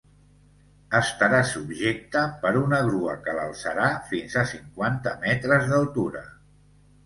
Estarà subjecte per una grua que l’alçarà fins a cinquanta metres d’altura.